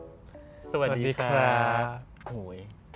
พยายามแท้ทุก